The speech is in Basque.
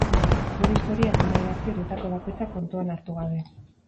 Gure historia ezin da idatzi horietako bakoitza kontuan hartu gabe.